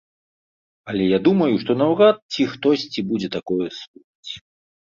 Але я думаю, што наўрад ці хтосьці будзе такое слухаць.